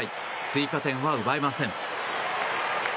追加点は奪えません。